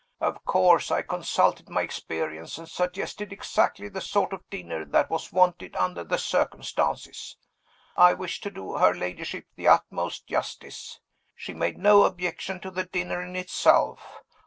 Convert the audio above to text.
Of course I consulted my experience, and suggested exactly the sort of dinner that was wanted under the circumstances. I wish to do her ladyship the utmost justice. She made no objection to the dinner in itself.